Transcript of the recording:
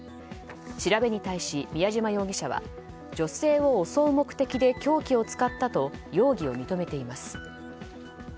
調べに対し、宮嶋容疑者は女性を襲う目的で凶器を使ったと容疑を認めています。